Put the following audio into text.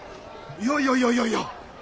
いやいやいやいやいや！